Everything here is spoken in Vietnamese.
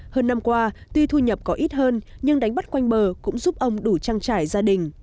hơn năm qua tuy thu nhập có ít hơn nhưng đánh bắt quanh bờ cũng giúp ông đủ trang trải gia đình